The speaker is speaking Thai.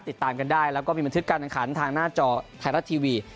ติดตามกันได้แล้วก็มีบันทึกการแข่งขันทางหน้าจอไทยรัฐทีวี